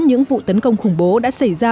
những vụ tấn công khủng bố đã xảy ra